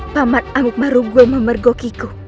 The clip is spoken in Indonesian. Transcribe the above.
pamat amuk marugul memergokiku